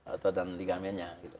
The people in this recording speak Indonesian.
otot dan ligamennya